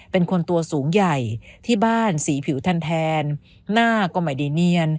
เป็นคนตัวสูงใหญ่ที่บ้านสีผิวแทนหน้าก็ไม่ได้เนียน